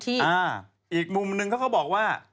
อีกมุมนึงเขาก็บอกว่า